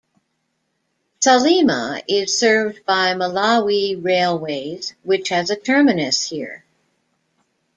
Salima is served by Malawi Railways which has a terminus here.